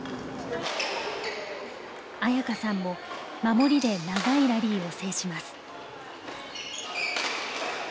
紋可さんも守りで長いラリーを制します。